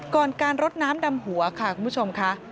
ก่อนการรดน้ำดำหัวค่ะคุณผู้ชมค่ะ